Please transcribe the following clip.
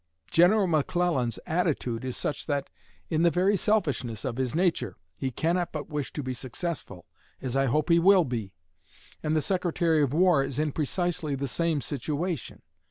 General McClellan's attitude is such that, in the very selfishness of his nature, he cannot but wish to be successful, as I hope he will be; and the Secretary of War is in precisely the same situation.